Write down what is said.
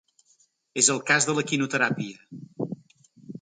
És el cas de l’equinoteràpia.